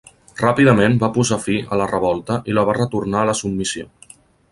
Ràpidament va posar fi a la revolta i la va retornar a la submissió.